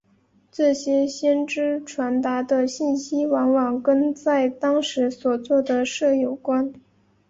这些先知传达的信息往往跟在当时所做的事有关。